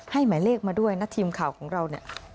ให้หมายเลขมาด้วยนะทีมข่าวของเรา